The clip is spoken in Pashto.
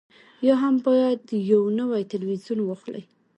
یا هم باید یو نوی تلویزیون واخلئ